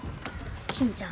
金ちゃん